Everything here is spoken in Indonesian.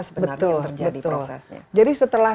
sebenarnya yang terjadi prosesnya jadi setelah